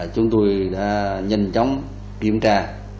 chúng tôi đã nhanh chóng kiểm tra